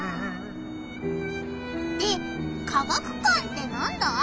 で科学館ってなんだ？